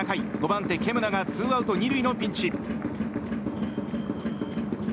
５番手、ケムナがツーアウト２塁のピンチ。